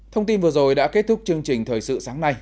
thông tin vừa rồi đã kết thúc chương trình thời sự sáng nay